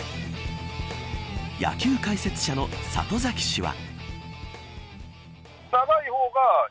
野球解説者の里崎氏は。